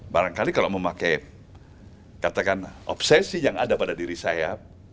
barangkali kalau memakai katakan obsesi yang ada pada diri saya